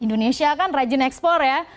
indonesia kan rajin ekspor ya